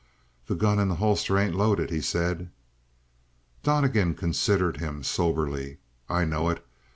"The gun in that holster ain't loaded," he said. Donnegan considered him soberly. "I know it.